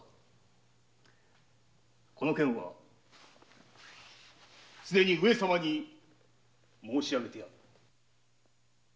この件はすでに上様に申し上げてある。